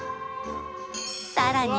さらに